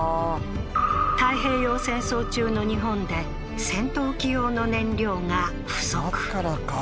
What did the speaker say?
太平洋戦争中の日本で戦闘機用の燃料が不足